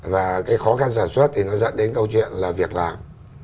và cái khó khăn sản xuất thì nó dẫn đến câu chuyện là việc làm